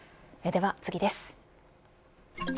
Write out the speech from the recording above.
では次です。